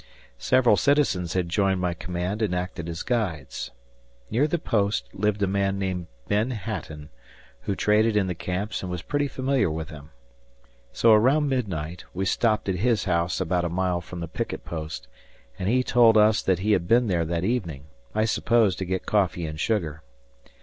Several citizens had joined my command and acted as guides. Near the post lived a man named Ben Hatton, who traded in the camps and was pretty familiar with them. So, around midnight, we stopped at his house about a mile from the picket post, and he told us that he had been there that evening I suppose to get coffee and sugar.